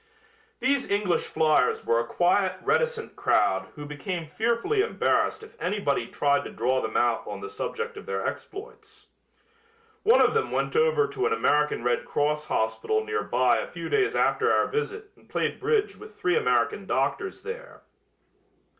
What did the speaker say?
These English fliers were a quiet, reticent crowd who became fearfully embarrassed if anybody tried to draw them out on the subject of their exploits. One of them went over to an American Red Cross hospital nearby a few days after our visit and played bridge with three American doctors there.